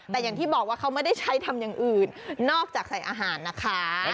แต่อย่างที่บอกว่าเขาไม่ได้ใช้ทำอย่างอื่นนอกจากใส่อาหารนะคะ